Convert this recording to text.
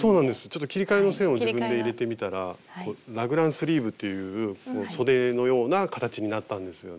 ちょっと切り替えの線を自分で入れてみたらラグランスリーブというそでのような形になったんですよね。